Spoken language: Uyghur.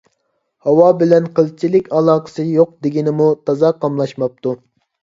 ھاۋا بىلەن قىلچىلىك ئالاقىسى يوق دېگىنىمۇ تازا قاملاشماپتۇ